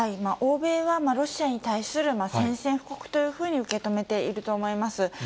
欧米はロシアに対する宣戦布告というふうに受け止めていると思います。